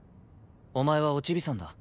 お前はおチビさんだ潔。